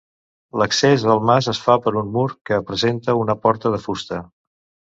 L'accés al mas es fa per un mur que presenta una porta de fusta.